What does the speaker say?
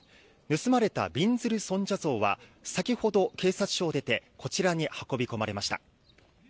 盗まれたびんずる尊者像は先ほど、警察署を出てこちらに運び込まれました。